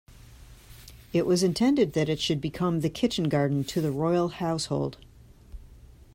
It was intended that it should become the kitchen garden to the royal household.